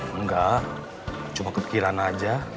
enggak cuma kepikiran aja